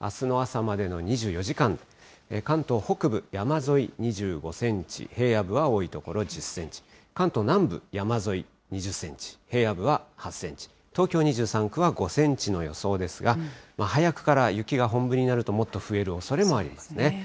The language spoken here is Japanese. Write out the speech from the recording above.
あすの朝までの２４時間、関東北部、山沿い、２５センチ、平野部は多い所１０センチ、関東南部、山沿い、２０センチ、平野部は８センチ、東京２３区は５センチの予想ですが、早くから雪が本降りになると、もっと増えるおそれもありますね。